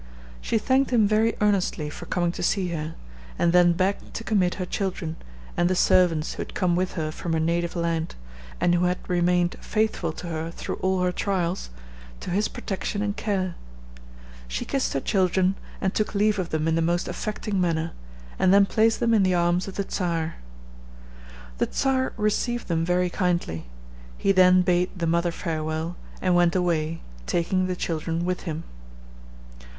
She thanked him very earnestly for coming to see her, and then begged to commit her children, and the servants who had come with her from her native land, and who had remained faithful to her through all her trials, to his protection and care. She kissed her children, and took leave of them in the most affecting manner, and then placed them in the arms of the Czar. The Czar received them very kindly. He then bade the mother farewell, and went away, taking the children with him.